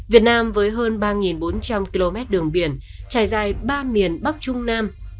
việt nam với hơn ba bốn trăm linh km đường biển trải dài ba miền bắc trung nam